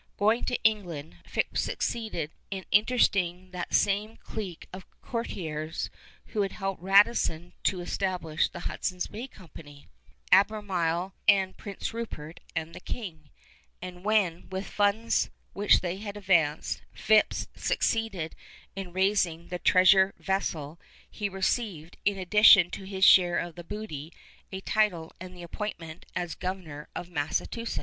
Going to England, Phips succeeded in interesting that same clique of courtiers who helped Radisson to establish the Hudson's Bay Company, Albemarle and Prince Rupert and the King; and when, with the funds which they advanced, Phips succeeded in raising the treasure vessel, he received, in addition to his share of the booty, a title and the appointment as governor of Massachusetts.